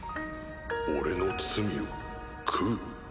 俺の罪を食う？